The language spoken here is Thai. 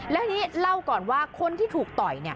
แล้วทีนี้เล่าก่อนว่าคนที่ถูกต่อย